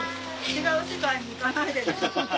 違う世界に行かないでね。